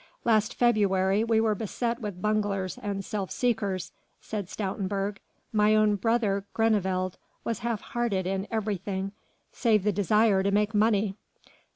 "Last February we were beset with bunglers and self seekers," said Stoutenburg, "my own brother Groeneveld was half hearted in everything save the desire to make money.